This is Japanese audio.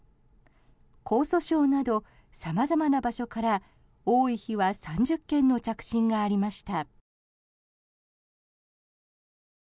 江蘇省などさまざまな場所から多い日は３０件の着信がありました。